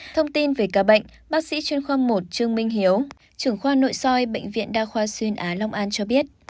thông tin về ca bệnh bác sĩ chuyên khoa một trương minh hiếu trưởng khoa nội soi bệnh viện đa khoa xuyên á long an cho biết